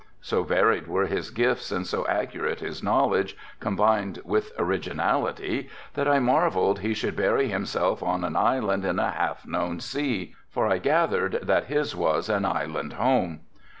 So varied were his gifts and so accurate his knowledge, combined with originality, that I marvelled he should bury himself on an island in a half known sea, for I gathered that his was an island home.